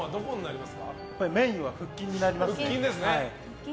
メインは腹筋になります。